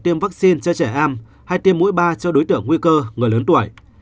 tiêm vaccine cho trẻ em hay tiêm mũi ba cho đối tượng nguy cơ người lớn tuổi